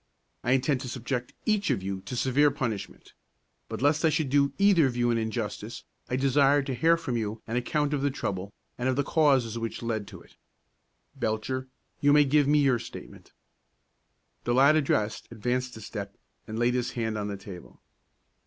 I intend to subject each of you to severe punishment; but lest I should do either of you an injustice, I desire to hear from you an account of the trouble, and of the causes which led to it. Belcher, you may give me your statement." The lad addressed advanced a step and laid his hand on the table.